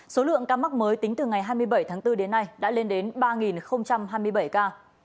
số lượng ca mắc mới tính từ ngày hai mươi bảy tháng bốn đến nay đã lên đến ba hai mươi bảy ca